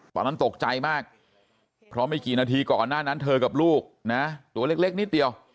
ตอนนั้นตกใจมากเพราะไม่กี่นาทีก่อนหน้านั้นเธอกับลูกนะตัวเล็กนิดเดียว